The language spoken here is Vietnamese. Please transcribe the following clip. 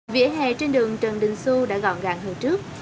vị hè trên đường trần đình xu đã gọn gàng hơn trước